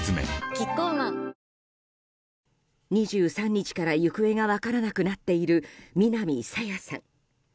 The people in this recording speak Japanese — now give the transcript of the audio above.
２３日から行方が分からなくなっている南朝芽さん。